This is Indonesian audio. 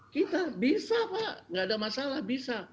kita bisa pak nggak ada masalah bisa